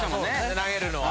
投げるのは。